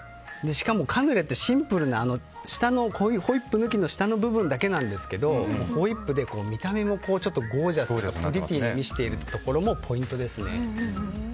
しかもカヌレってシンプルなホイップ抜きの下の部分だけなんですけどホイップで見た目もゴージャスでプリティーに見せているところもポイントですね。